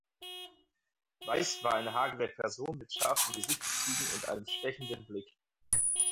Weiss war eine hagere Person mit scharfen Gesichtszügen und einem stechenden Blick.